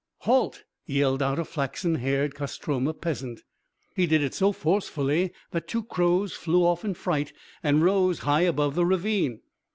"Halt!" yelled out a flaxen haired Kostroma peasant. He did it so forcefully that two crows flew off in fright and rose high above the ravine.